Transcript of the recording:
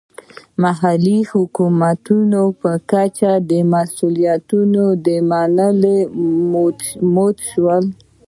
محلي حکومتونو په کچه د مسوولیت منلو موډل شو.